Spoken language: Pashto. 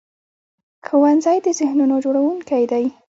ښوونځی د ذهنونو جوړوونکی دی